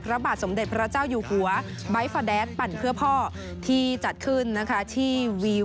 พระบาทสมเด็จพระเจ้าอยู่หัวไบท์ฟาแดดปั่นเพื่อพ่อที่จัดขึ้นนะคะที่วิว